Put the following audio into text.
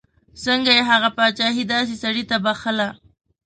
څنګه یې هغه پاچهي داسې سړي ته بخښله.